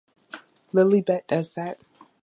Lilibet does that.